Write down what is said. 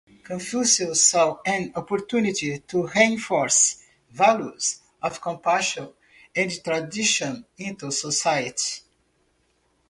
Confucius saw an opportunity to reinforce values of compassion and tradition into society.